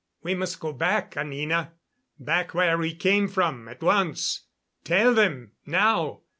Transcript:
"We must go back, Anina back where we came from at once. Tell them now!